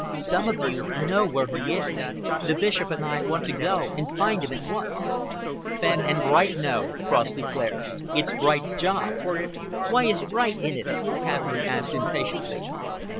Some of you know where he is. The Bishop and I want to go and find him at once." "Fenn and Bright know," Cross declared. "It's Bright's job." "Why is Bright in it?" Catherine asked impatiently.